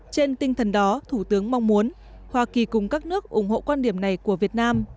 trên tinh thần đó thủ tướng mong muốn hoa kỳ cùng các nước ủng hộ quan điểm này của việt nam